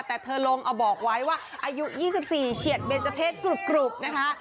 แต่เธอลงเอาบอกไว้ว่าอายุ๒๔เฉียดเบนเจอร์เพศกรุบนะคะ